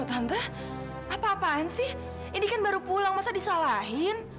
tante apa apaan sih ini kan baru pulang masa disalahin